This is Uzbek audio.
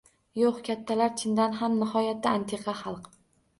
«Yo‘q, kattalar chindan ham nihoyatda antiqa xalq»